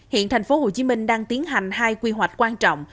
hiện thành phố hồ chí minh đang tiến hành hai quy hoạch quan trọng